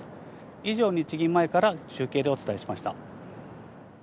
以上、日銀前から中継でお伝えしました。